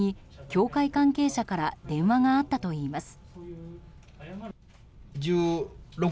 教会関係者から電話があったといいます。